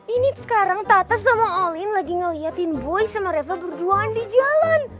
ini sekarang tata sama olin lagi ngeliatin boy sama revo berduaan di jalan